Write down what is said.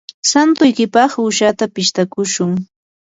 santuykipaq uushata pishtakushun.